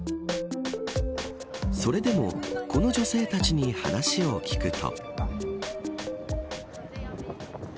それでもこの女性たちに話を聞くと。